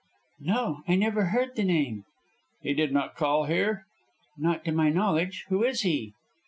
"No, I never heard the name." "He did not call here?" "Not to my knowledge. Who is he?"